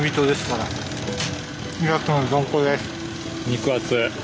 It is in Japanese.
肉厚！